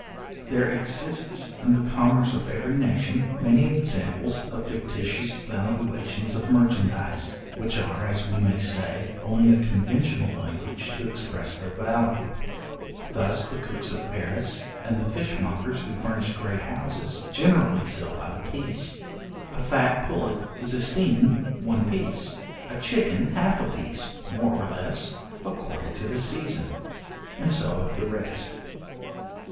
There exists, in the commerce of every nation, many examples of fictitious valuations of merchandize, which are, as we may say, only a conventional language to express their value. Thus the cooks of Paris, and the fishmongers who furnish great houses, generally sell by the piece. A fat pullet is esteemed one piece, a chicken half a piece, more or less, according to the season: and so of the rest.